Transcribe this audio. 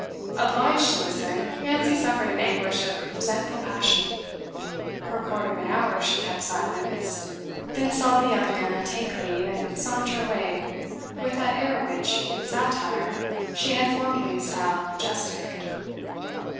Obliged to listen, Nancy suffered an anguish of resentful passion. For a quarter of an hour she kept silence, then saw the young man take leave and saunter away with that air which, in satire, she had formerly styled majestic.